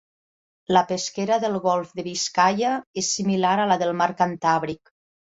La pesquera del golf de Biscaia és similar a la del mar Cantàbric.